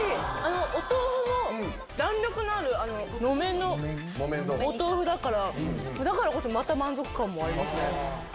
お豆腐も、弾力のある木綿のお豆腐だから、だからこそまた満足感もあります